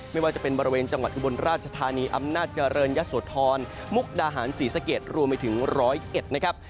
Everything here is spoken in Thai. ไม่ว่าจะเป็นบริเวณจังหวัดอุบลราชธานีอำนาจเจริญยะโสธรมุกดาหารศรีสะเกดรวมไปถึง๑๐๑นะครับ